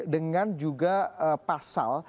dengan juga pasal